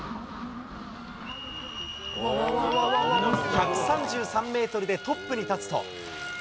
１３３メートルでトップに立つと。